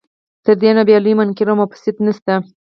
تر دې نو بیا لوی منکر او مفسد نشته.